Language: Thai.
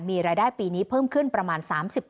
มีรายได้ปีนี้เพิ่มขึ้นประมาณ๓๐